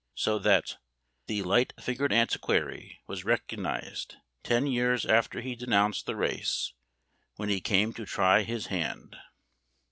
so that "the light fingered antiquary" was recognised ten years after he denounced the race, when he came to "try his hand."